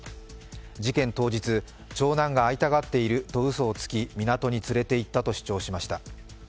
事件当日、長男が会いたがっているとうそをつき港に連れていったと主張しました。